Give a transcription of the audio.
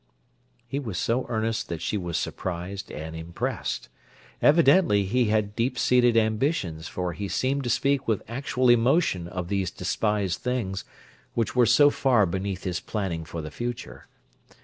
_" He was so earnest that she was surprised and impressed. Evidently he had deep seated ambitions, for he seemed to speak with actual emotion of these despised things which were so far beneath his planning for the future.